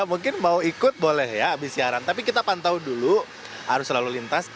mungkin mau ikut boleh ya abis siaran tapi kita pantau dulu arus lalu lintas